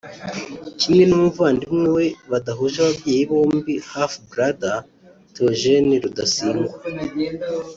kimwe n’umuvandimwe we badahuje ababyeyi bombi (half brother) Theogene Rudasingwa